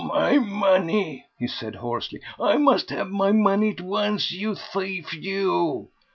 "My money!" he said hoarsely. "I must have my money at once! You thief! You